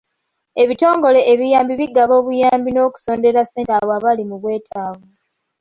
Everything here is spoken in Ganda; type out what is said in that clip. Ebitongole ebiyambi bigaba obuyambi n'okusondera ssente abo abali mu bwetaavu.